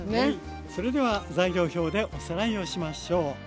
それでは材料表でおさらいをしましょう。